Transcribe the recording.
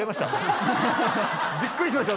びっくりしました